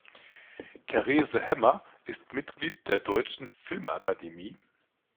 Therese Hämer ist Mitglied der Deutschen Filmakademie.